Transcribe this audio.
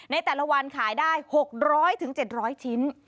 ในแต่ละวันขายได้๖๐๐๗๐๐ชิ้น